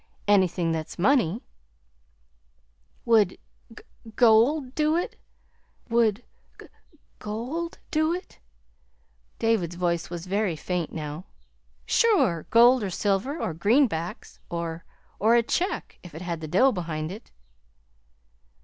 Anything that's money." "Would g gold do it?" David's voice was very faint now. "Sure! gold, or silver, or greenbacks, or or a check, if it had the dough behind it."